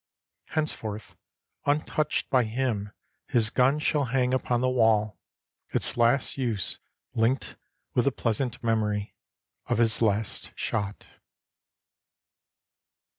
Henceforth untouched by him his gun shall hang upon the wall, its last use linked with the pleasant memory of his last shot.